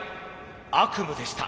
悪夢でした。